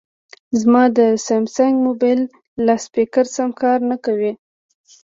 زما د سامسنګ مبایل لاسپیکر سم کار نه کوي